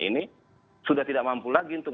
ini sudah tidak mampu lagi untuk